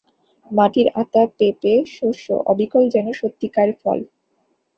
মাটির আতা, পেঁপে, শস্য-অবিকল যেন সত্যিকার ফল।